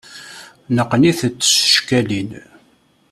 Neqqen-itent s tcekkalin.